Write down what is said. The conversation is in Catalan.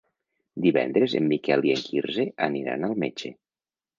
Divendres en Miquel i en Quirze aniran al metge.